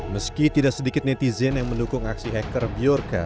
meski tidak sedikit netizen yang mendukung aksi hacker bjorka